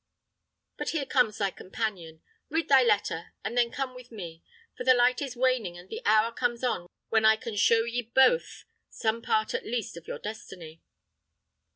But here comes thy companion. Read thy letter, and then come with me; for the light is waning, and the hour comes on when I can show ye both some part at least of your destiny."